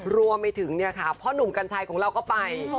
รวมไปถึงเนี่ยค่ะพ่อหนุ่มกัญชัยของเราก็ไป